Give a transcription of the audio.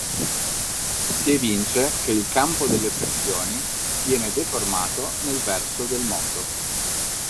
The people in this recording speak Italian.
Si evince che il campo delle pressioni viene deformato nel verso del moto.